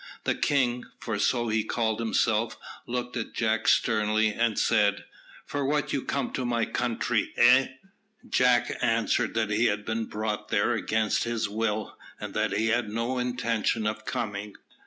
The king, for so he called himself, looked at Jack sternly and said, "For what you come to my country, eh?" Jack answered that he had been brought there against his will, and that he had no intention of coming.